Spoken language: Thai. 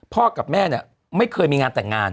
พ่อกับแม่ไม่เคยมีงานแต่งงาน